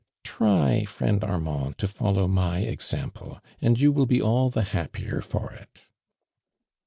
Try, friend Armand, to follow my example, and you will be all the happier for it."